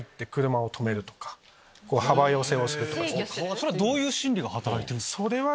それはどういう心理が働いているんすか？